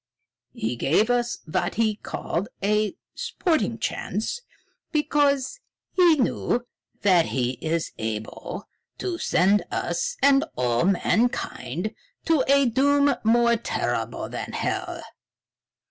He gave us what he called a 'sporting chance' because he knew that he is able to send us and all mankind to a doom more terrible than hell.